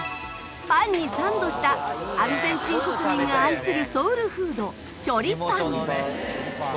パンにサンドしたアルゼンチン国民が愛する「地元のねソウルフードね」